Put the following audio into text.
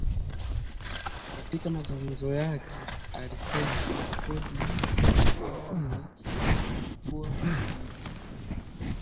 katika mazungumzo yake naye alisema kitongoji hiki awali ni kilikuwa kijiji